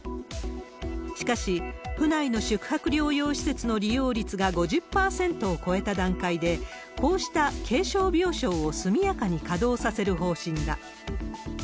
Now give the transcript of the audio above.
しかし、府内の宿泊療養施設の利用率が５０％を超えた段階で、こうした軽症病床を速やかに稼働させる方針だ。